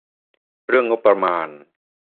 เรื่องงบประมาณ